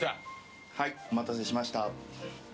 お待たせしました。